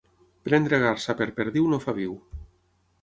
Prendre garsa per perdiu no fa viu.